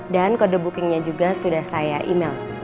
dan kode bookingnya juga sudah saya email